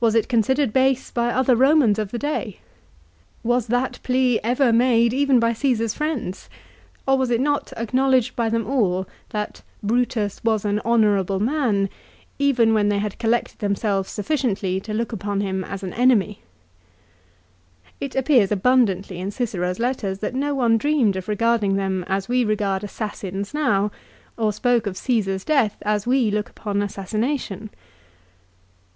Was it considered base by other Eomans of the day? Was that plea ever 1 Shakespeare, "Julius Csesar," Act. i. sc. 2. 208 LIFE OF CICERO. made even by Caesar's friends, or was it not acknowledged by them all that " Brutus was an honourable man," even when they had collected themselves sufficiently to look upon him as an enemy ? It appears abundantly in Cicero's letters that no one dreamed of regarding them as we regard assassins now, or spoke of Caesar's death as we look upon assassination.